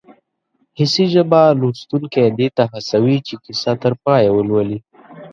حسي ژبه لوستونکی دې ته هڅوي چې کیسه تر پایه ولولي